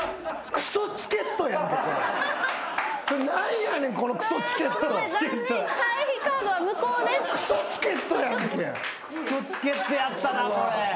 クソチケットやったなこれ。